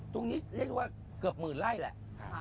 ตรงนี้เรียกว่าเกือบหมื่นไร่แหละ